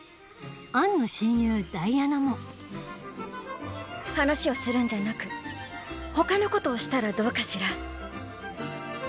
アンの親友ダイアナも話をするんじゃなく他のことをしたらどうかしら？